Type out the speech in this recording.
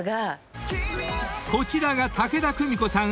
［こちらが武田久美子さん